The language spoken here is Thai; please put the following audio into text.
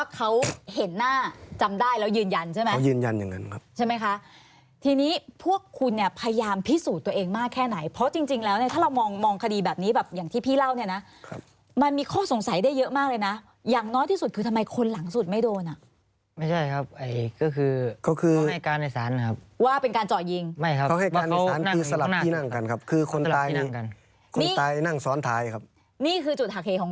คุณเนี่ยพยายามพิสูจน์ตัวเองมากแค่ไหนเพราะจริงแล้วเนี่ยถ้าเรามองมองคดีแบบนี้แบบอย่างที่พี่เล่าเนี่ยนะมันมีข้อสงสัยได้เยอะมากเลยนะอย่างน้อยที่สุดคือทำไมคนหลังสุดไม่โดนอ่ะไม่ใช่ครับก็คือเขาให้การอิสานนะครับว่าเป็นการจ่อยิงไม่ครับเขาให้การอิสานคือสลับที่นั่งกันครับคือคนตายนั่ง